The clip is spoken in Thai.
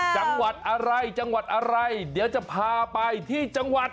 จังหวัดอะไรจังหวัดอะไรเดี๋ยวจะพาไปที่จังหวัด